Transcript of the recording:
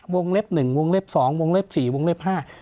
วงเล็บหนึ่งวงเล็บสองวงเล็บสี่วงเล็บห้า